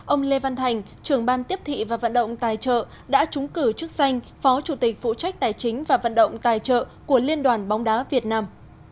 ông lê văn thành trưởng ban tiếp thị và vận động tài trợ đã trúng cử chức danh phó chủ tịch phụ trách tài chính và vận động tài trợ của liên đoàn bóng đá việt nam